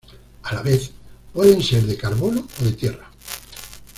A la vez, pueden ser de carbono o de tierra.